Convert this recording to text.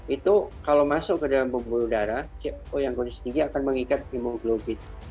itu kalau masuk ke dalam bumbu udara co yang kondisi tinggi akan mengikat hemoglobin